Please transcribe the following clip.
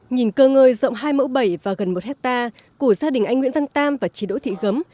nhìn cơ ngơi rộng hai mẫu bảy và gần một hectare của gia đình anh nguyễn văn tam và chị đỗ thị gấm